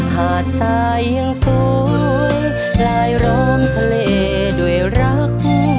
หาดทรายยังสวยลายล้อมทะเลด้วยรัก